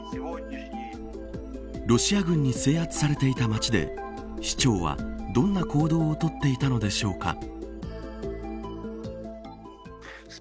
ロシア軍に制圧されていた町で市長は、どんな行動をとっていたのでしょうか。